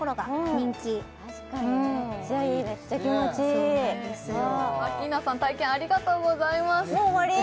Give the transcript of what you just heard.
メッチャ気持ちいいアッキーナさん体験ありがとうございます